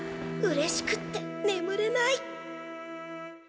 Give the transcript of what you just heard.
うれしくってねむれない。